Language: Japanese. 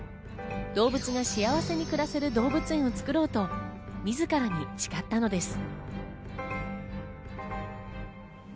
動物が幸せに暮らせる動物園を作ろうと自らに誓ったのです。